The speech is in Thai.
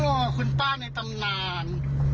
ก็คุณป้าในตำนาน